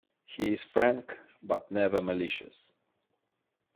He is frank but never malicious.